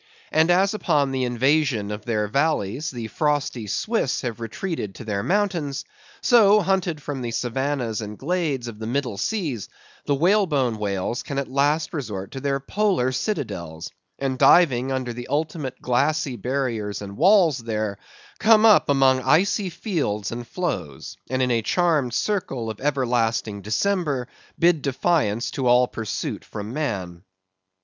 And as upon the invasion of their valleys, the frosty Swiss have retreated to their mountains; so, hunted from the savannas and glades of the middle seas, the whale bone whales can at last resort to their Polar citadels, and diving under the ultimate glassy barriers and walls there, come up among icy fields and floes; and in a charmed circle of everlasting December, bid defiance to all pursuit from man.